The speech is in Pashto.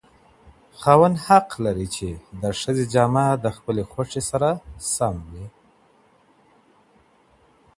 خاوند حق لري چې د ښځې جامه د خپل خوښي سره سم وي.